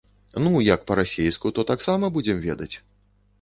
Ну як па-расейску, то таксама будзем ведаць.